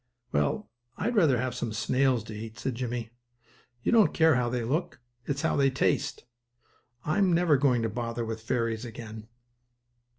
"Well, I'd rather have some snails to eat," said Jimmie. "You don't care how they look; it's how they taste. I'm never going to bother with fairies again."